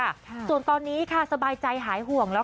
แมทตับแมทชั่นไปหมดแล้ว